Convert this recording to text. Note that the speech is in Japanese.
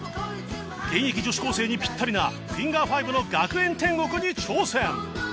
現役女子高生にピッタリなフィンガー５の『学園天国』に挑戦